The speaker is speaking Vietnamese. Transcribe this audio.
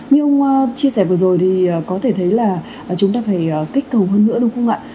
như ông chia sẻ vừa rồi thì có thể thấy là chúng ta phải kích cầu hơn nữa đúng không ạ